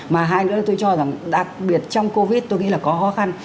mà hai người tôi cho rằng đặc biệt trong covid tôi nghĩ là có khó khăn